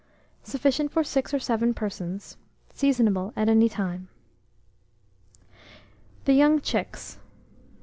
Sufficient for 6 or 7 persons. Seasonable at any time. THE YOUNG CHICKS.